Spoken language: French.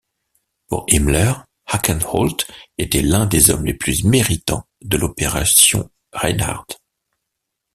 Pour Himmler, Hackenholt était l'un des hommes les plus méritants de l'Opération Reinhard.